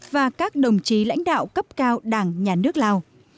và các đồng chí lãnh đạo cấp cao đảng nhà nước lào